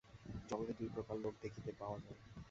জগতে দুই প্রকার লোক দেখিতে পাওয়া যায়।